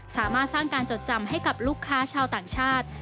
สามารถสร้างการจดจำให้กับลูกค้าชาวต่างชาติ